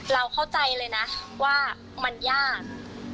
เราเข้าใจเลยนะว่ามันยาก